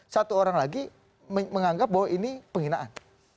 satu orang lagi menganggap bahwa ini penghinaan